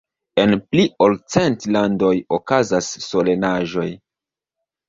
En pli ol cent landoj okazas solenaĵoj.